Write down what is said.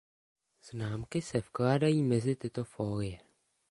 Známky se vkládají mezi tyto fólie.